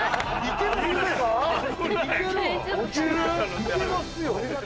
いけますよ。